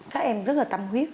các em rất là tâm huyết